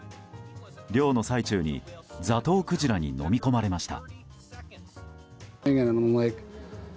漁の最中にザトウクジラに飲み込まれました。